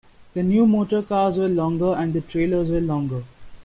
The new motor cars were longer, and the trailers were longer.